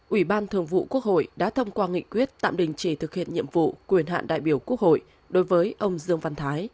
ủy ban thường vụ quốc hội đã thông qua nghị quyết tạm đình chỉ thực hiện nhiệm vụ quyền hạn đại biểu quốc hội đối với ông dương văn thái